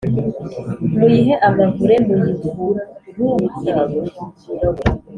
Muyihe amavure, muyivurugire: